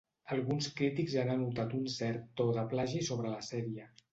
Alguns crítics han anotat un cert to de plagi sobre la sèrie.